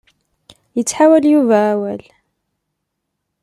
Ittḥawal Yuba awal.